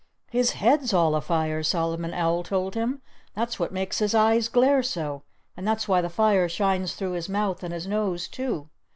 "His head's all afire!" Solomon Owl told him. "That's what makes his eyes glare so. And that's why the fire shines through his mouth and his nose, too.